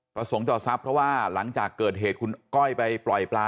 ประสงค์ต่อทรัพย์เพราะว่าหลังจากเกิดเหตุคุณก้อยไปปล่อยปลา